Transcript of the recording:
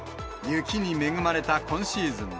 雪に恵まれた今シーズン。